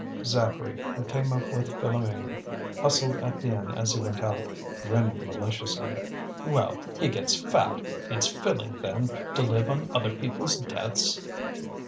Zacharie, who came up with Philoméne, hustled Étienne as he went out, grinning maliciously. "Well, he gets fat. It's filling, then, to live on other people's deaths?"